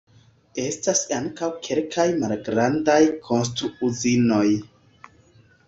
Estas ankaŭ kelkaj malgrandaj konstru-uzinoj.